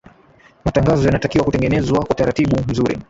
matangazo yanatakiwa kutegenezwa kwa utaratibu mzuri